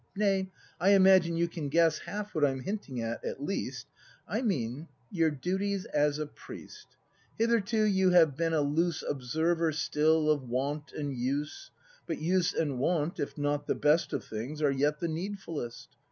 Nay, I imagine you can guess Half what I'm hinting at, at least ? I mean, your duties as a priest. Hitherto you have been a loose Observer still, of Wont and Use; But Use and Wont, if not the best Of things, are yet the needfulest.